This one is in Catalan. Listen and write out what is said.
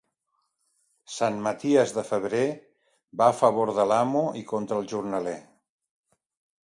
Sant Maties de febrer va a favor de l'amo i contra el jornaler.